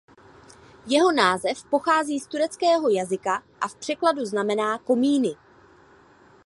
Jeho název pochází z tureckého jazyka a v překladu znamená "komíny".